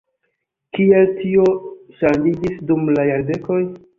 Kiel tio ŝanĝiĝis dum la jardekoj?